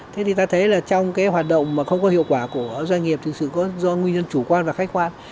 thế thì ta thấy là trong cái hoạt động mà không có hiệu quả của doanh nghiệp thực sự do nguyên nhân chủ quan và khách quan